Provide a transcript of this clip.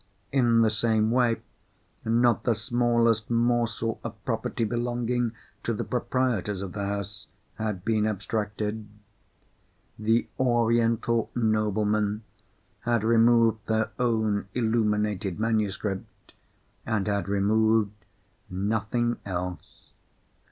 In the same way, not the smallest morsel of property belonging to the proprietors of the house had been abstracted. The Oriental noblemen had removed their own illuminated manuscript, and had removed nothing else.